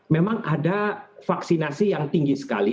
memang ada vaksinasi yang tinggi sekali